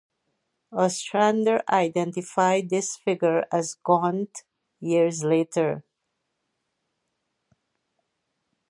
Ostrander identified this figure as Gaunt years later.